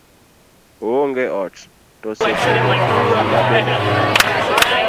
oonge ot to seche go suna bende kaye